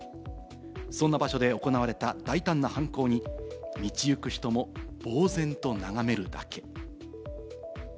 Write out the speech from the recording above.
そんな場所で行われた大胆な犯行に道行く人も呆然と眺めるだけ。